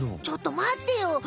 ちょっとまってよ！